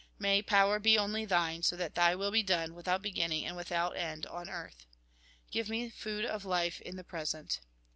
May power be only Thine, so that Thy will be done, without begivniny and without end, on earth. Give me food of Ufe in the present